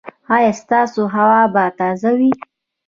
ایا ستاسو هوا به تازه وي؟